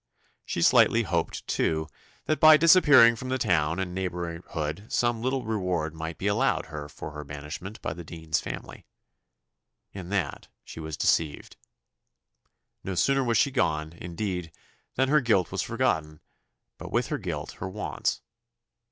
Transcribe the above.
She slightly hoped, too, that by disappearing from the town and neighbourhood some little reward might be allowed her for her banishment by the dean's family. In that she was deceived. No sooner was she gone, indeed, than her guilt was forgotten; but with her guilt her wants.